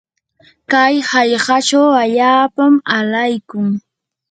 kay hallqachaw allaapam alaykun.